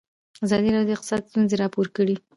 ازادي راډیو د اقتصاد ستونزې راپور کړي.